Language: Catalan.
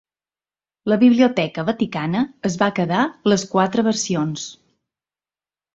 La biblioteca vaticana es va quedar les quatre versions.